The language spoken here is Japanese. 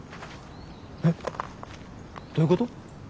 えっ？どういうこと？